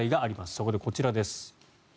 そこでこちらです。